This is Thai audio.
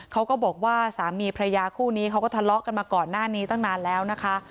เขาก็บอกว่าสามีพระยาคู่นี้เขาก็ทะเลาะกันมาก่อนหน้านี้ตั้งนานแล้วนะคะ